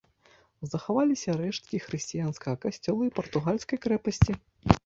Захаваліся рэшткі хрысціянскага касцёла і партугальскай крэпасці.